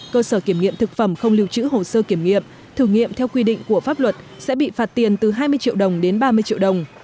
cơ sở kiểm nghiệm thực phẩm không lưu trữ hồ sơ kiểm nghiệm thử nghiệm theo quy định của pháp luật sẽ bị phạt tiền từ hai mươi triệu đồng đến ba mươi triệu đồng